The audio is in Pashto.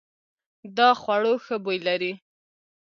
دا خوړو ښه بوی لري.